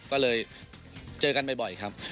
ก็เลยเจอกันบ่อยครับ